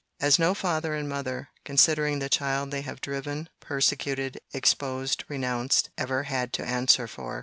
—as no father and mother, considering the child they have driven, persecuted, exposed, renounced, ever had to answer for!